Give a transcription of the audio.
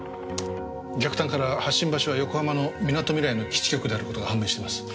逆探から発信場所は横浜のみなとみらいの基地局である事が判明しています。